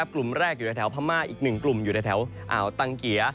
กลุ่มแรกอยู่ในแถวพม่าอีก๑กลุ่มอยู่ในแถวอ่าวตังเกีย